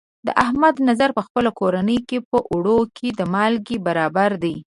د احمد نظر په خپله کورنۍ کې، په اوړو کې د مالګې برابر دی.